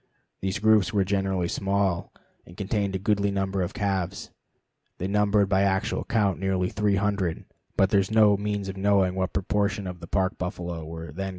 These groups were generally small, and each contained a goodly number of calves. They numbered by actual count nearly 300, but there is no means of knowing what proportion of the Park buffalo were then gathered here.